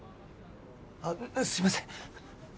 あっすいません。